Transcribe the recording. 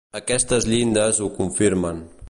Aquestes llindes ho confirmen.